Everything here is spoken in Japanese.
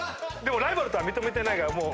でもライバルとは認めてないから。